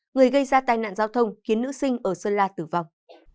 người gây ra tai nạn giao thông khiến nữ sinh ở sơn la tử vong